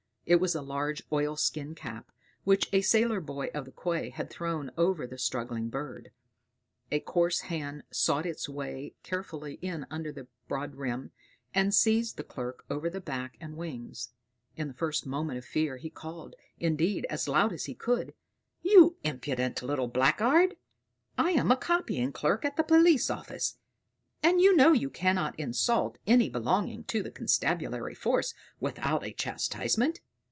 It was a large oil skin cap, which a sailor boy of the quay had thrown over the struggling bird; a coarse hand sought its way carefully in under the broad rim, and seized the clerk over the back and wings. In the first moment of fear, he called, indeed, as loud as he could "You impudent little blackguard! I am a copying clerk at the police office; and you know you cannot insult any belonging to the constabulary force without a chastisement.